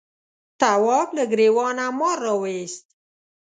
تواب له گرېوانه مار راوایست.